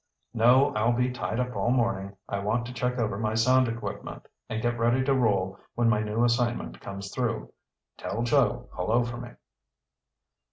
"No, I'll be tied up all morning. I want to check over my sound equipment and get ready to roll when my new assignment comes through. Tell Joe hello for me."